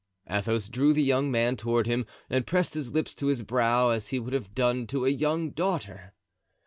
Athos drew the young man toward him and pressed his lips to his brow, as he would have done to a young daughter.